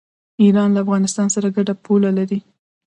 ایران له افغانستان سره ګډه پوله لري.